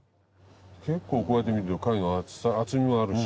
結構こうやって見ると貝の厚さ厚みがあるし。